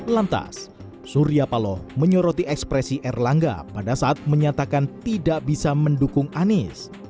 lantas surya paloh menyoroti ekspresi erlangga pada saat menyatakan tidak bisa mendukung anies